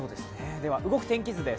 動く天気図です。